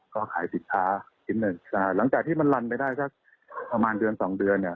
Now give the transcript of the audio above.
ก็ขายศิลปะหลังจากที่มันรันไม่ได้ประมาณเดือนสองเดือน